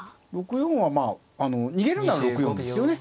６四はまあ逃げるなら６四ですよね。